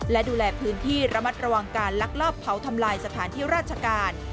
และดูแลพื้นที่ระมัดระวังการลักลอบเผาทำลายสถานที่ราชการ